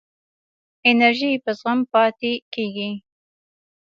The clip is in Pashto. انرژی په زغم پاتې کېږي.